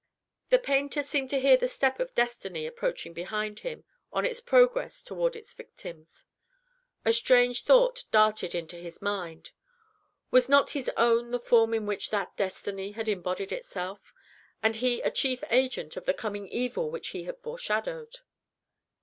The painter seemed to hear the step of Destiny approaching behind him, on its progress toward its victims. A strange thought darted into his mind. Was not his own the form in which that Destiny had embodied itself, and he a chief agent of the coming evil which he had foreshadowed?